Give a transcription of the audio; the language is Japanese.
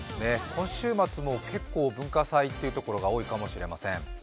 今週末も結構、文化祭っていうところが多いかもしれません。